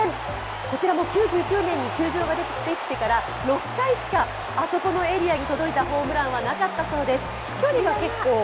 こらちも９９年に球場ができてから６回しかあそこのエリアに届いたホームランはなかったそうです。